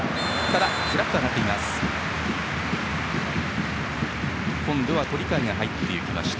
ただ、フラッグが上がっています。